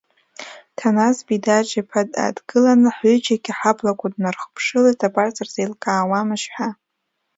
Ҭанас Бидаҿ-иԥа дааҭгыланы, ҳҩыџьагьы ҳаблақәа днархыԥшылеит, абарҭ сырзеилкаауамашь ҳәа.